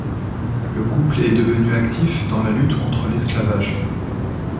Le couple est devenu actif dans la lutte contre l'esclavage.